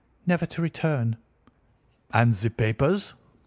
"Never to return." "And the papers?"